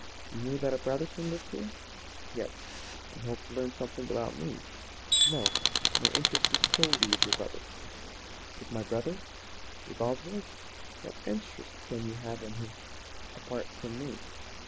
You knew that a Brotherson lived here?" "Yes." "And hoped to learn something about me?" "No; my interest was solely with your brother." "With my brother? With Oswald? What interest can you have in him apart from me?